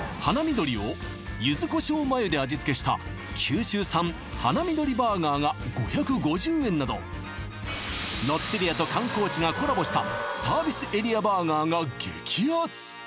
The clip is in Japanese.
鳥をゆず胡椒マヨで味付けした九州産華味鳥バーガーが５５０円などロッテリアと観光地がコラボしたサービスエリアバーガーが激アツ